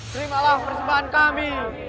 terimalah persembahan kami